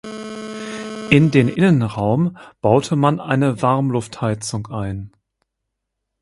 In den Innenraum baute man eine Warmluftheizung ein.